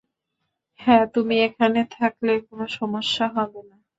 হ্যাঁ, তুমি এখানে থাকলে কোনো সমস্যা হবে না।